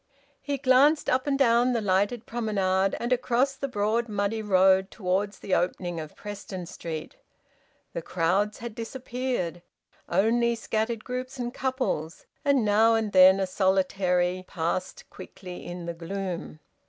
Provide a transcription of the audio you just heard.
He glanced up and down the lighted promenade, and across the broad muddy road towards the opening of Preston Street. The crowds had disappeared; only scattered groups and couples, and now and then a solitary, passed quickly in the gloom.